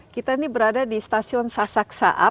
kita ini berada di stasiun sasak saat